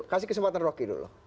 kasih kesempatan roky dulu